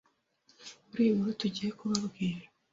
Muri iyi nkuru tugiye kubabwira